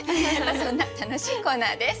そんな楽しいコーナーです。